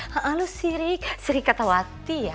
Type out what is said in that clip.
ha ha loe sirik sirik ketawati ya